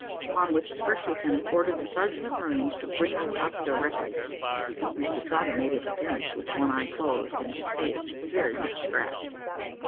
Upon which the first lieutenant ordered the sergeant of marines to bring him up directly. Mr Trotter made his appearance, with one eye closed, and his face very much scratched.